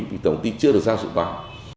vì tổng ty chưa được giao dự toán